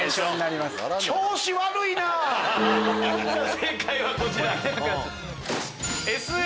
正解はこちら。